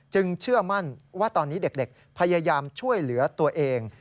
เชื่อมั่นว่าตอนนี้เด็กพยายามช่วยเหลือตัวเอง